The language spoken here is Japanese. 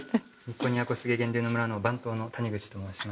小菅源流の村の番頭の谷口と申します。